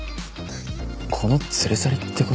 子の連れ去りって事？